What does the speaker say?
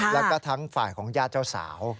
แล้วก็ทั้งฝ่ายของญาติเจ้าสาว